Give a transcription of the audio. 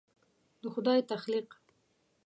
د خدای تخلیق